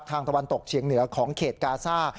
ตะวันตกเฉียงเหนือของเขตกาซ่า